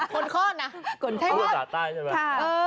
คนคล้อนน่ะคนใช่หรือเปล่าคุณพูดภาษาใต้ใช่ไหมคุณพูดภาษาใต้ใช่ไหม